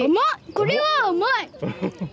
これは甘い。